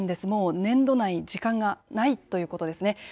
もう年度内、時間がないということですね。